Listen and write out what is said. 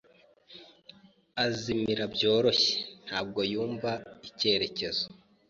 Azimira byoroshye. Ntabwo yumva icyerekezo.